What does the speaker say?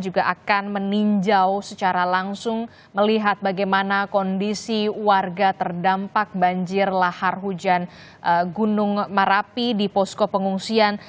juga akan meninjau secara langsung melihat bagaimana kondisi warga terdampak banjir lahar hujan gunung merapi di posko pengungsian